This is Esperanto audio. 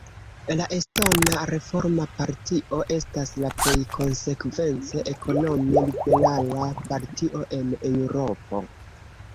La Estona Reforma Partio estas la plej konsekvence ekonomi-liberala partio en Eŭropo.